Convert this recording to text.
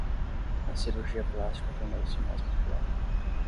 A cirurgia plástica tornou-se mais popular.